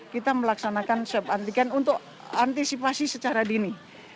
kita melaksanakan swab antigen untuk antisipasi secara dini